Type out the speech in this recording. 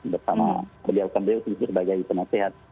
bersama beliau kan beliau juga sebagai penasehat